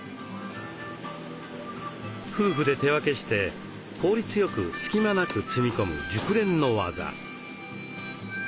夫婦で手分けして効率よく隙間なく積み込む熟練の技。